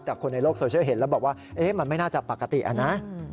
แต่คนในโลกโซเชียลเห็นแล้วบอกว่ามันไม่น่าจะปกตินะ